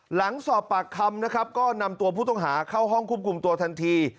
หลังสอบปากคำนะครับก็นำตัวผู้ต้องหาเข้าห้องควบคุมตัวทันที